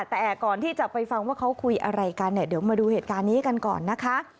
แต่ก่อนที่จะไปฟังว่าเขาคุยอะไรกันเนี่ยเดี๋ยวมาดูเหตุการณ์นี้กันก่อนนะคะ